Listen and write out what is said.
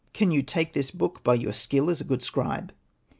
Can you take this book by your skill as a good scribe?